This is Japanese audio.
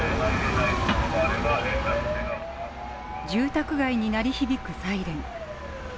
住宅街に鳴り響くサイレン。